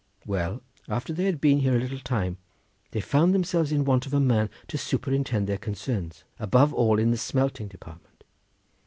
Well, after they had been here a little time they found themselves in want of a man to superintend their concerns, above all in the smelting department.